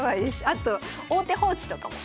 あと王手放置とかも。